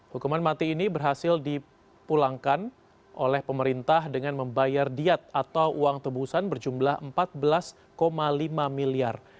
hukuman mati ini berhasil dipulangkan oleh pemerintah dengan membayar diet atau uang tebusan berjumlah empat belas lima miliar